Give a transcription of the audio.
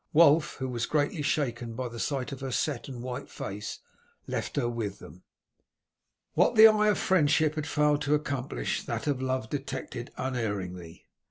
Wulf, who was greatly shaken by the sight of her set and white face, left her with them. What the eye of friendship had failed to accomplish, that of love detected unerringly.